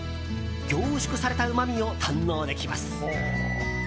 凝縮されたうまみを堪能できます。